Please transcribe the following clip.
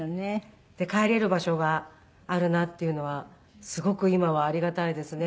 で帰れる場所があるなっていうのはすごく今はありがたいですね。